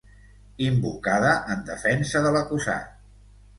Invocada en defensa de l'acusat.